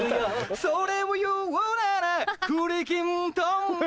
それを言うならクリキントンも